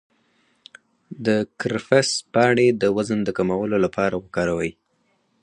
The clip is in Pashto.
د کرفس پاڼې د وزن د کمولو لپاره وکاروئ